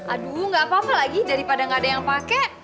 aduh gak apa apa lagi daripada nggak ada yang pakai